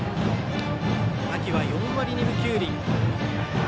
秋は４割２分９厘。